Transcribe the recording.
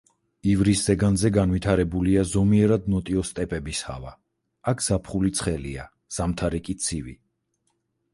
ივრის ზეგანზე განვითარებულია ზომიერად ნოტიო სტეპების ჰავა, აქ ზაფხული ცხელია, ზამთარი კი ცივი.